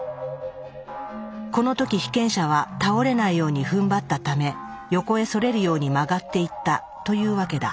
この時被験者は倒れないようにふんばったため横へそれるように曲がっていったというわけだ。